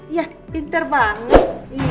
iya pintar banget